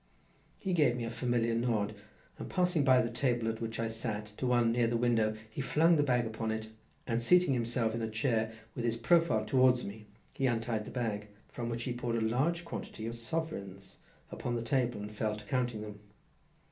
He gave me a familiar nod, and passing by the table, at which I sat, to one near the window, he flung the bag upon it, and seating himself in the chair with his profile towards me, he untied the bag, from which he poured a large quantity of sovereigns upon the table, and fell to counting them.